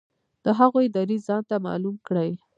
د هغوی دریځ ځانته معلوم کړي.